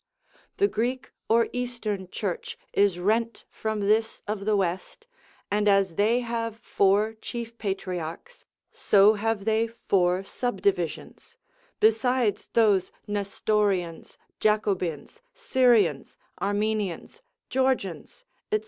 The Greek or Eastern Church is rent from this of the West, and as they have four chief patriarchs, so have they four subdivisions, besides those Nestorians, Jacobins, Syrians, Armenians, Georgians, &c.